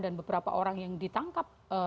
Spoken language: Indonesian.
dan beberapa orang yang ditangkap